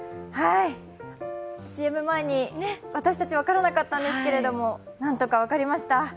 ＣＭ前に、私たち分からなかったんですけれども、何とか分かりました。